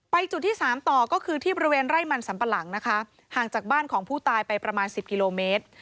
จุดที่สามต่อก็คือที่บริเวณไร่มันสัมปะหลังนะคะห่างจากบ้านของผู้ตายไปประมาณสิบกิโลเมตร